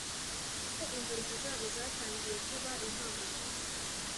ko inzozi zabo zatangiye kuba impamo.